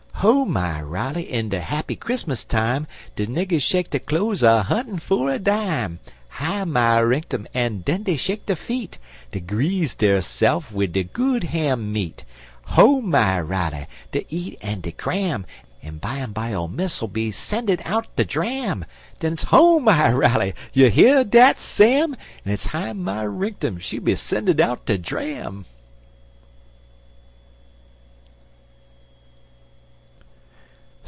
Ho my Riley! In de happy Chris'mus time De niggers shake der cloze a huntin' for a dime. Hi my rinktum! En den dey shake der feet, En greaze derse'f wid de good ham meat. Ho my Riley! dey eat en dey cram, En bimeby ole Miss 'll be a sendin' out de dram. Den it's ho my Riley! You hear dat, Sam! En it's hi my rinktum! Be a sendin' out de dram!